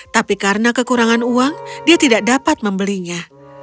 tapi karena kekurangan uang dia tidak dapat membelinya